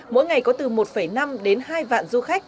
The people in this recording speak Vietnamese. mỗi ngày có từ một năm đến hai vạn du khách